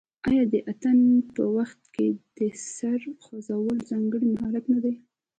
آیا د اتن په وخت کې د سر خوځول ځانګړی مهارت نه دی؟